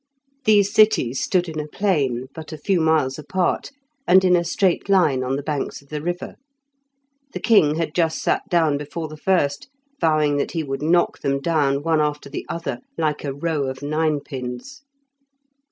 These cities stood in a plain, but a few miles apart, and in a straight line on the banks of the river. The king had just sat down before the first, vowing that he would knock them down, one after the other, like a row of ninepins.